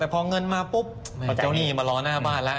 แต่เมื่อเงินมาเข้าหนี่มารอหน้าบ้าน